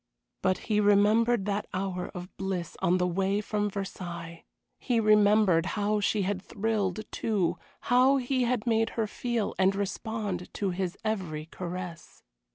But he remembered that hour of bliss on the way from Versailles; he remembered how she had thrilled, too, how he had made her feel and respond to his every caress.